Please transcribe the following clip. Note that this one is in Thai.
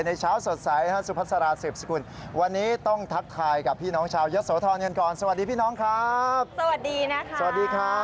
ในเช้าสวสัยสุภาษากรรม